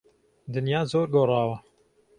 دنیا زۆر گۆڕاوە.